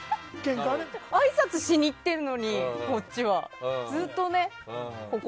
あいさつしに行ってるのにこっちは。